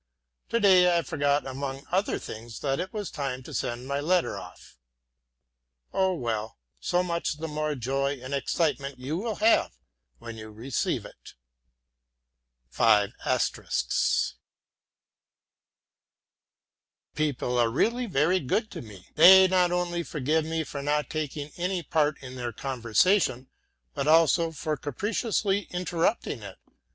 Today I forgot among other things that it was time to send my letter off. Oh well, so much the more joy and excitement will you have when you receive it. People are really very good to me. They not only forgive me for not taking any part in their conversation, but also for capriciously interrupting it.